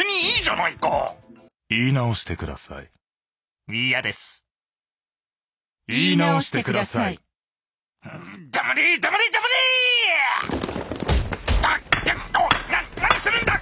なあ何するんだ！